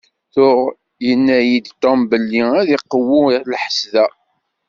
Tuɣ yenna-yi-d Tom belli ad iqewwu lḥess da.